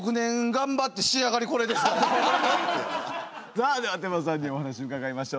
さあでは天真さんにお話伺いましょう。